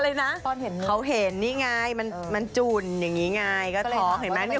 อะไรนะเป้าเห็นมันจุนนี่ไง